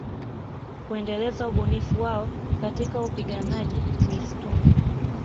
Kuendeleza ubunifu wao katika upiganaji mistuni